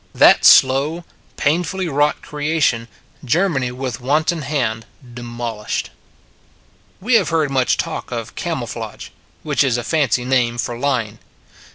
That slow, painfully wrought creation, Germany with wanton hand demolished. We have heard much talk of camou flage, which is a fancy name for lying.